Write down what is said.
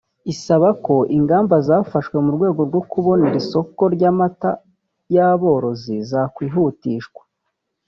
isaba ko ingamba zafashwe mu rwego rwo kubonera isoko ry’amata y’aborozi zakwihutishwa